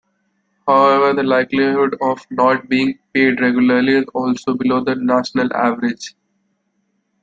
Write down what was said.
However, the likelihood of not being paid regularly is also below the national average.